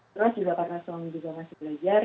terus juga karena suami juga masih belajar